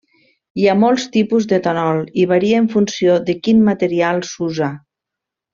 Hi ha molts tipus d'etanol i varia en funció de quin material s'usa.